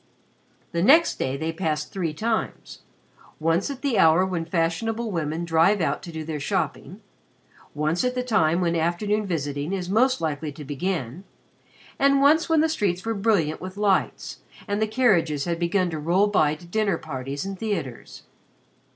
The next day they passed three times once at the hour when fashionable women drive out to do their shopping, once at the time when afternoon visiting is most likely to begin, and once when the streets were brilliant with lights and the carriages had begun to roll by to dinner parties and theaters.